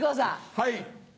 はい。